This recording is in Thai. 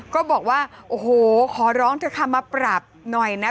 ก็บอกว่าโอ้โหขอร้องเถอะค่ะมาปรับหน่อยนะ